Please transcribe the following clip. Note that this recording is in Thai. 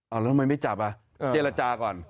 เอาแล้วทำไมไม่จับอ่ะเจรจาก่อน